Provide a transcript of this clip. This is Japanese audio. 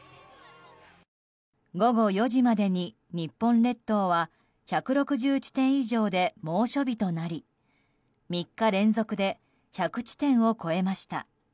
午後４時までに日本列島は１６０地点以上で猛暑日となり３日連続で１００地点を超えました。